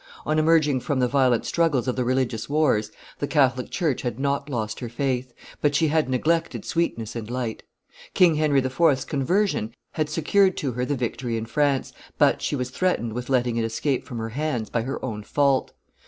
On emerging from the violent struggles of the religious wars, the Catholic church had not lost her faith, but she had neglected sweetness and light. King Henry IV.'s conversion had secured to her the victory in France, but she was threatened with letting it escape from her hands by her own fault.